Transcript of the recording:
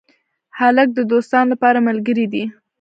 هلک د دوستانو لپاره ملګری دی.